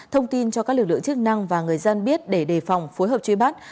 thông tin cho các lực lượng chức năng và người dân biết để đề phòng phối hợp truy bắt